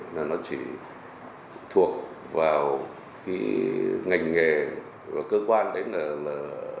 là nó chỉ thuộc vào cái ngành nghề và cơ quan đấy là